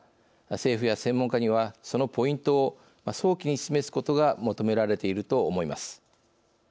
政府や専門家にはそのポイントを早期に示すことが求められていると思います。